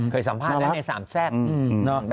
เคยสัมภาษณ์แล้วในสามแซ่บ